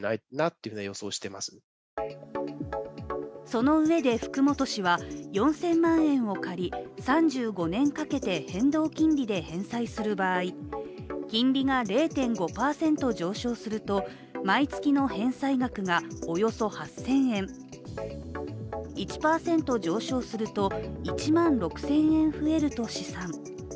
そのうえで福本氏は４０００万円を借り３５年かけて変動金利で返済する場合金利が０．５％上昇すると毎月の返済額がおよそ８０００円、１％上昇すると１万６０００円増えると試算。